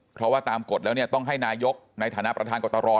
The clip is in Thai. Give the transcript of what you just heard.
เพราะว่าตามกฎแล้วเนี่ยต้องให้นายกในฐานะประธานกตร